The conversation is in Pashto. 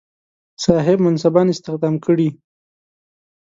صاحب منصبان استخدام کړي.